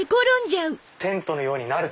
テントのようになる！